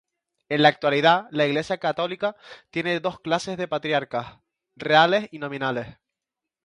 En la actualidad, la Iglesia católica tiene dos clases de patriarcas: reales y nominales.